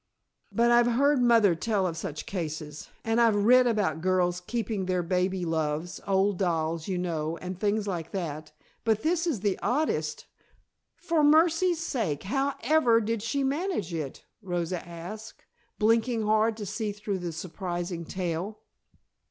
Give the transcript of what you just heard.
But I've heard mother tell of such cases. And I've read about girls keeping their baby loves, old dolls, you know, and things like that. But this is the oddest " "For mercy sakes! How ever did she manage it?" Rosa asked, blinking hard to see through the surprising tale.